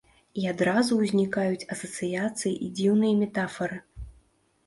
І адразу ўзнікаюць асацыяцыі і дзіўныя метафары.